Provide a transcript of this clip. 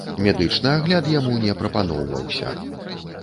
Медычны агляд яму не прапаноўваўся.